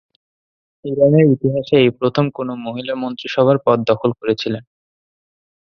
ইরানের ইতিহাসে এই প্রথম কোনও মহিলা মন্ত্রিসভার পদ দখল করেছিলেন।